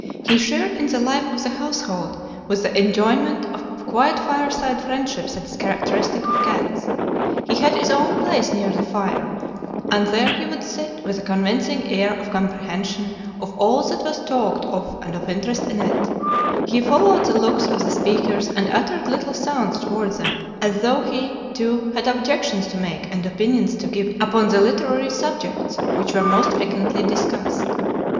] "He shared in the life of the household with the enjoyment of quiet fireside friendship that is characteristic of cats. He had his own place near the fire, and there he would sit with a convincing air of comprehension of all that was talked of and of interest in it; he followed the looks of the speakers, and uttered little sounds toward them as though he, too, had objections to make and opinions to give upon the literary subjects which were most frequently discussed.